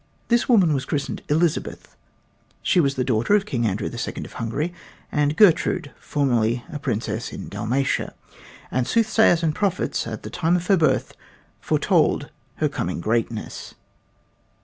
This woman was christened Elizabeth. She was the daughter of King Andrew the Second of Hungary and of Gertrude, formerly a princess in Dalmatia; and soothsayers and prophets at the time of her birth foretold her coming greatness.